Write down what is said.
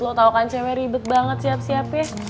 lo tau kan cewek ribet banget siap siapnya